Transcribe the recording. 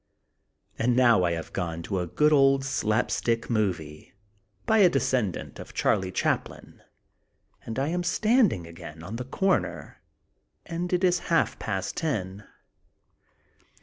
And now I have gone to a good old slap stick movie, by a descendant of Charlie Chap lin, and I am standing again on the comer and it is half past ten.